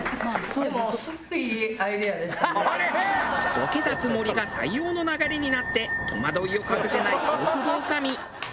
ボケたつもりが採用の流れになって戸惑いを隠せない大久保女将。